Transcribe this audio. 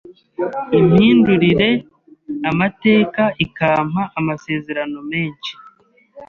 impindurire amateka ikampa amasezerano menshi,